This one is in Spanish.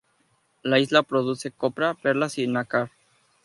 La isla produce copra, perlas y nácar.